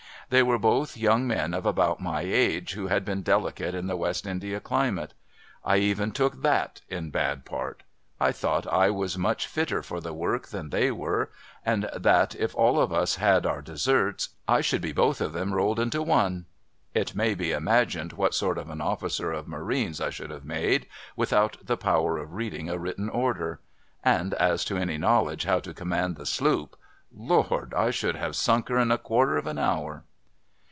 They were both young men of about my age, who had been delicate in the West India climate. I even took f/ia^ in bad part. I thought I was much fitter for the work than they were, and that if all of us had our deserts, I should be both of them rolled into one. (It may be imagined what sort of an officer of marines I should have made, without the power of reading a Avritten order. And as to any knowledge how to command the sloop — Lord ! I should have sunk her in a quarter of an hour